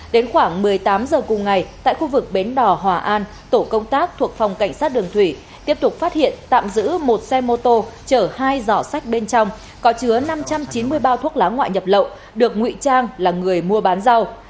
đến khoảng một mươi tám h cùng ngày tại khu vực bến đỏ hòa an tổ công tác thuộc phòng cảnh sát đường thủy tiếp tục phát hiện tạm giữ một xe mô tô chở hai dỏ sách bên trong có chứa năm trăm chín mươi bao thuốc lá ngoại nhập lậu được nguy trang là người mua bán rau